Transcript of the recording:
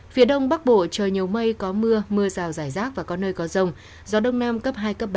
phía đông bắc bộ trời nhiều mây có mưa mưa rào rải rác và có nơi có rông gió đông nam cấp hai cấp ba